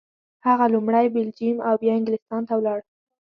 هغه لومړی بلجیم او بیا انګلستان ته ولاړ.